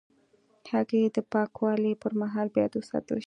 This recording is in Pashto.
هګۍ د پاکوالي پر مهال باید وساتل شي.